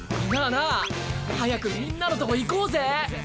なあなあ早くみんなのとこ行こうぜ。